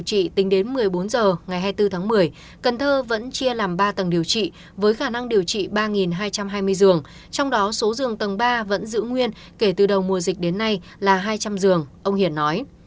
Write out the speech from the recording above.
cần thơ vẫn chia làm ba tầng điều trị với khả năng điều trị ba hai trăm hai mươi giường trong đó số giường tầng ba vẫn giữ nguyên kể từ đầu mùa dịch đến nay là hai trăm linh giường ông hiển nói